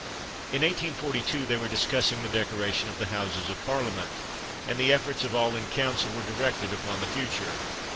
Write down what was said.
In 1842 they were discussing the decoration of the Houses of Parliament, and the efforts of all in council were directed upon the future.